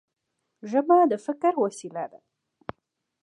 ژبه د فکر وسیله ده.